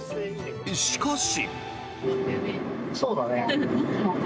しかし。